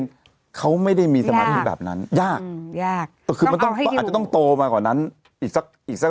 แต่มหาลัยเดี๋ยวนี้ก็เริ่มเป็นอย่างนี้แล้ว